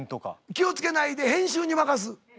気を付けないで編集に任す。